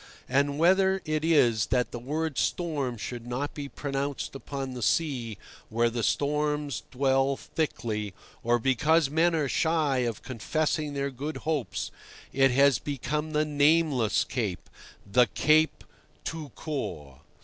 And whether it is that the word "storm" should not be pronounced upon the sea where the storms dwell thickly, or because men are shy of confessing their good hopes, it has become the nameless cape—the Cape tout court.